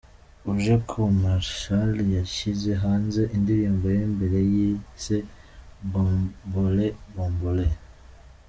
Ujeku Marchal yashyize hanze indirimbo ya mbere yise ‘Bombole Bombole’.